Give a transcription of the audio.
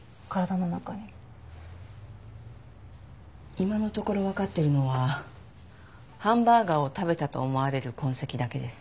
今のところわかってるのはハンバーガーを食べたと思われる痕跡だけです。